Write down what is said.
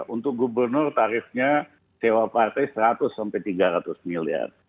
untuk gubernur tarifnya sewa partai seratus sampai tiga ratus miliar